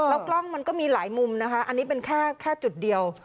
แล้วกล้องมันก็มีหลายมุมนะคะอันนี้เป็นแค่จุดเดียว